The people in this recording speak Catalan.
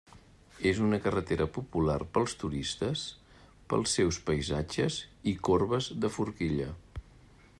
És una carretera popular pels turistes pels seus paisatges i corbes de forquilla.